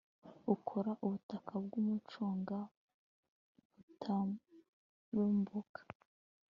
ukora ubutaka bwumucanga butarumbuka